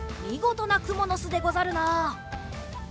みごとなくものすでござるな。